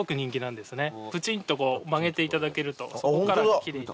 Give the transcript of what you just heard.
ぷちんとこう曲げていただけるとそこから奇麗に。